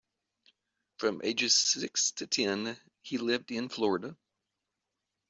From ages six to ten, he lived in Florida.